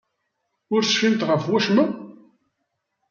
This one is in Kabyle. Ur tecfimt ɣef wacemma?